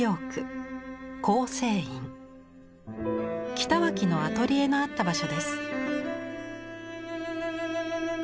北脇のアトリエのあった場所です。